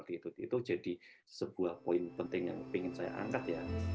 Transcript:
itu jadi sebuah poin penting yang ingin saya angkat ya